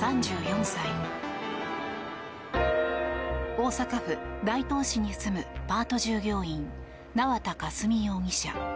大阪府大東市に住むパート従業員・縄田佳純容疑者。